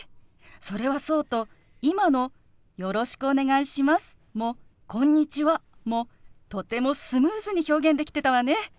それはそうと今の「よろしくお願いします」も「こんにちは」もとてもスムーズに表現できてたわね。